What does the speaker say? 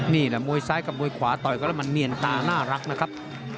นี่แหละมวยซ้ายกับมวยขวาต่อยกันแล้วมันเนียนตาน่ารักนะครับ